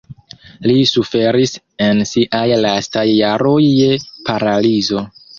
Li suferis en siaj lastaj jaroj je paralizo.